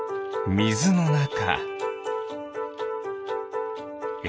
みずのなか。